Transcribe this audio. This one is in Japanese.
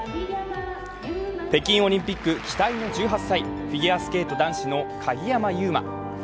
北京オリンピック期待の１８歳、フィギュアスケート男子の鍵山優真。